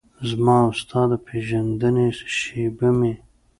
زما او ستا د پیژندنې شیبه مې